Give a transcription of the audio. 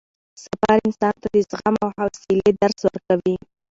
سفر انسان ته د زغم او حوصلې درس ورکوي